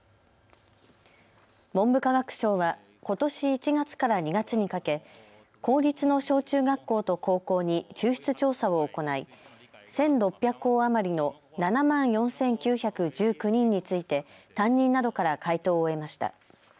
文部科学省はことし１月から２月にかけ公立の小中学校と高校に抽出調査を行い１６００校余りの７万４９１９人について担任などから回答を得ました。